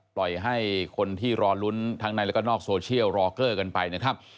ปล่อยให้คนที่รอลุ้นทั้งในแล้วก็นอกโซเชียลรอเกอร์กันไปนะครับ